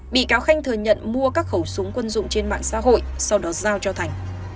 bị cáo khanh thừa nhận mua các khẩu súng quân dụng trên mạng xã hội sau đó giao cho thành